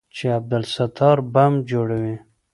چې عبدالستار بم جوړوي.